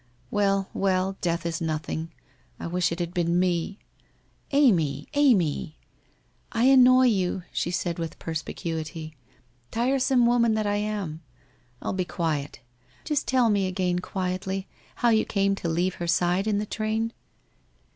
Well, well, death is nothing. I wish it had been me !'' Amy ! Amy !'' I annoy you/ said she, with perspicuity. ' Tiresome woman I am! I'll be quiet. Just tell me again quietly, how you came to leave her side in the train?